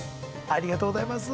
ありがとうございます。